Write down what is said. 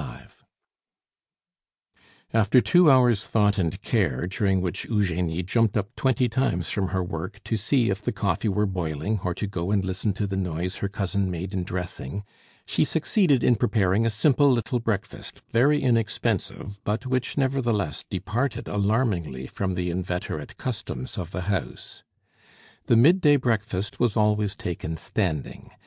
V After two hours' thought and care, during which Eugenie jumped up twenty times from her work to see if the coffee were boiling, or to go and listen to the noise her cousin made in dressing, she succeeded in preparing a simple little breakfast, very inexpensive, but which, nevertheless, departed alarmingly from the inveterate customs of the house. The midday breakfast was always taken standing.